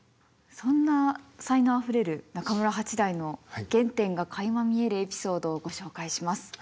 そんな才能あふれる中村八大の原点がかいま見えるエピソードをご紹介します。